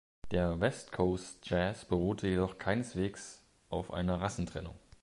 Der West-Coast-Jazz beruhte jedoch keineswegs auf einer Rassentrennung.